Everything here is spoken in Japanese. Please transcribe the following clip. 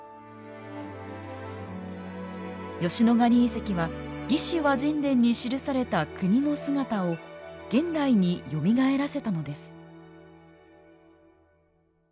吉野ヶ里遺跡は「魏志倭人伝」に記されたクニの姿を現代によみがえらせたのです。